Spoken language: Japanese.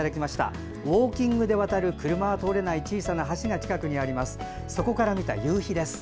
ウォーキングで渡る車が通れない小さな橋が近くにありましてそこから見た夕日です。